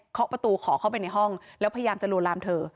เคาะประตูเคาะเข้าไปในห้องแล้วพยายามจะโรงรามเธอ